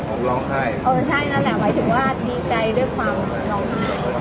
แล้วก็จะกรรมรอดทั้งหมดแล้วก็จะกรรมรอดทั้งหมด